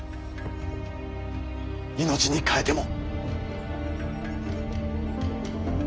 命に代えても。